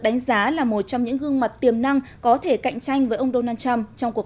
đánh giá là một trong những gương mặt tiềm năng có thể cạnh tranh với ông donald trump trong cuộc